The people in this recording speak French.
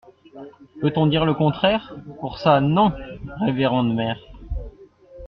Peut-on dire le contraire ? Pour ça non, révérende mère.